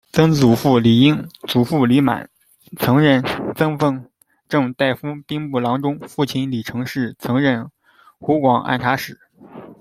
曾祖父李瑛；祖父李满，曾任赠奉政大夫兵部郎中；父亲李承式，曾任湖广按察使。